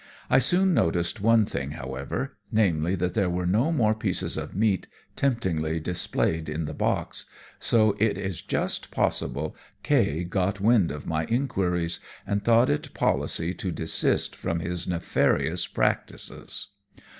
I soon noticed one thing, however, namely, that there were no more pieces of meat temptingly displayed in the box, so it is just possible K got wind of my enquiries, and thought it policy to desist from his nefarious practices.